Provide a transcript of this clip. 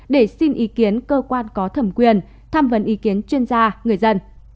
để xin ý kiến cơ quan có thẩm quyền tham vấn ý kiến chuyên gia người dân